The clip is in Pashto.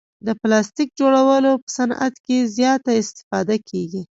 د پلاستیک جوړولو په صعنت کې زیاته استفاده کیږي.